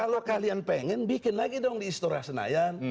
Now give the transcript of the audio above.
kalau kalian pengen bikin lagi dong di istora senayan